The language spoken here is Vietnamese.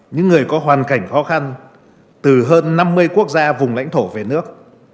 những người có hoàn cảnh khó khăn từ hơn năm mươi quốc gia vùng lãnh thổ về nước